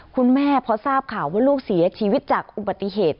คุณแม่พอทราบข่าวว่าลูกเสียชีวิตจากอุบัติเหตุ